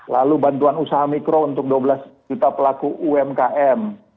lalu bantuan usaha mikro untuk dua belas juta pelaku umkm